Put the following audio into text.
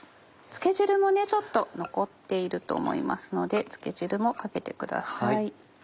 漬け汁もちょっと残っていると思いますので漬け汁もかけてください。